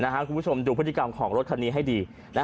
คุณผู้ชมดูพฤติกรรมของรถคันนี้ให้ดี